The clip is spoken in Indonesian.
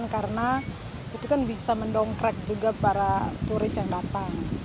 karena itu kan bisa mendongkrak juga para turis yang datang